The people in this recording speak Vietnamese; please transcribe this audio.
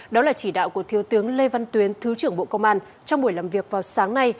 đó là chỉ đạo của thiếu tướng lê văn tuyến thứ trưởng bộ công an trong buổi làm việc vào sáng nay